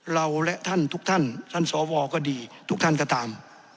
เราและท่านทุกท่านท่านสวก็ดีทุกท่านก็ตาม